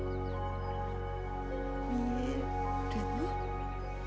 見えるの？